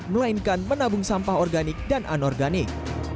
melainkan menabung sampah organik dan anorganik